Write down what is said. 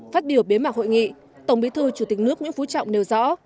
phát biểu bế mạc hội nghị tổng bí thư chủ tịch nước nguyễn phú trọng nêu rõ